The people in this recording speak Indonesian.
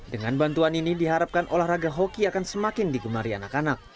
dengan bantuan ini diharapkan olahraga hoki akan semakin digemari anak anak